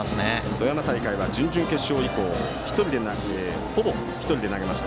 富山大会は、準々決勝以降ほぼ１人で投げました。